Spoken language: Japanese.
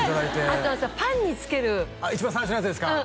あとあのさパンにつける一番最初のやつですか？